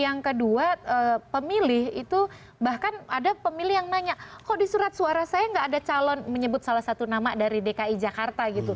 yang kedua pemilih itu bahkan ada pemilih yang nanya kok di surat suara saya gak ada calon menyebut salah satu nama dari dki jakarta gitu